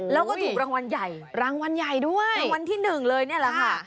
แล้วก็ถูกรางวัลใหญ่รางวัลที่หนึ่งเลยนี่แหละค่ะ